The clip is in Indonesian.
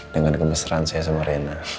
dengan kemesraan saya sama rena